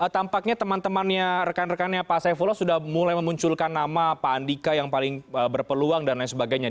tampaknya teman temannya rekan rekannya pak saifullah sudah mulai memunculkan nama pak andika yang paling berpeluang dan lain sebagainya